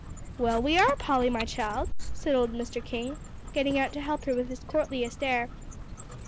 "Well, we are, Polly, my child," said old Mr. King, getting out to help her with his courtliest air.